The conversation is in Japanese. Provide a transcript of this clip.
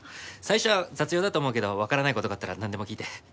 最初は雑用だと思うけどわからない事があったらなんでも聞いて。